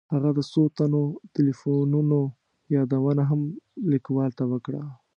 هغه د څو تنو تیلیفونونو یادونه هم لیکوال ته وکړه.